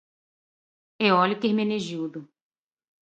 Eólica Hermenegildo